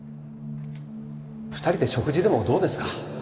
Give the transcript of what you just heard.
２人で食事でもどうですか？